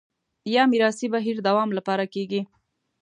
یا میراثي بهیر دوام لپاره کېږي